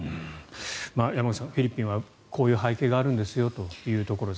山口さんフィリピンはこういう背景があるんですよということです。